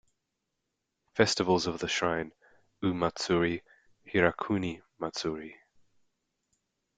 Festivals of the shrine: U-matsuri, Hirakuni-matsuri.